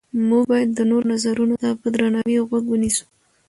موږ باید د نورو نظرونو ته په درناوي غوږ ونیسو